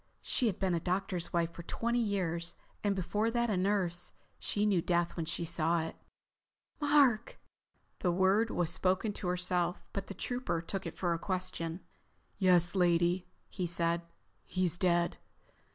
She had been a doctor's wife for twenty years, and before that a nurse. She knew death when she saw it. "Mark." The word was spoken to herself, but the Trooper took it for a question. "Yes, lady," he said. "He's dead.